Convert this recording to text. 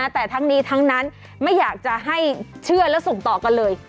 แต่ทั้งนี้ทั้งนั้นไม่อยากจะให้เชื่อและส่งต่อกันเลย